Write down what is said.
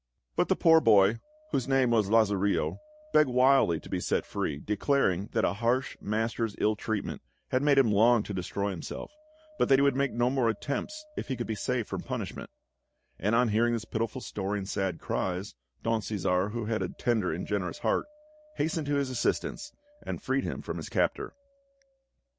But the poor boy, whose name was Lazarillo, begged wildly to be set free, declaring that a harsh master's ill treatment had made him long to destroy himself, but that he would make no more attempts if he could be saved from punishment; and on hearing his pitiful story and sad cries, Don Cæsar, who had a tender and generous heart, hastened to his assistance and freed him from his captor.